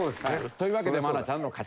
というわけで愛菜ちゃんの勝ち。